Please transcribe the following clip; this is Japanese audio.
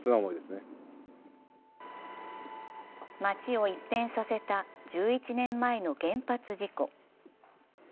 町を一変させた１１年前の原発事故。